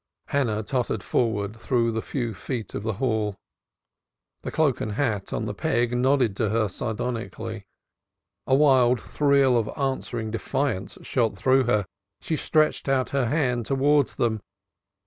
Hannah tottered forwards through the few feet of hall. The cloak and hat on the peg nodded to her sardonically. A wild thrill of answering defiance shot through her: she stretched out her hands towards them.